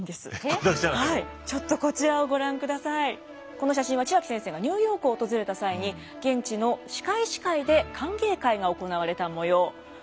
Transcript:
この写真は血脇先生がニューヨークを訪れた際に現地の歯科医師会で歓迎会が行われた模様。